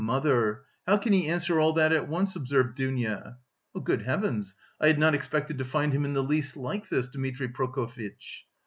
"Ah, mother, how can he answer all that at once?" observed Dounia. "Good heavens, I had not expected to find him in the least like this, Dmitri Prokofitch!"